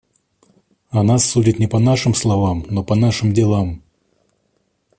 О нас судят не по нашим словам, но по нашим делам.